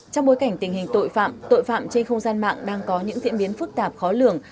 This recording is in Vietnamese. trong bối cảnh tình hình tội phạm tội phạm trên không gian mạng đang có những diễn biến phức tạp khó lường